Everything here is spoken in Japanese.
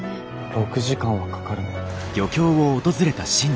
６時間はかかるね。